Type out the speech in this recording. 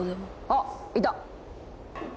「あっいた」。